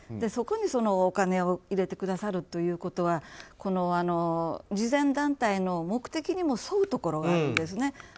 そこにお金を入れてくださるということは慈善団体の目的にも沿うところがあるんですね。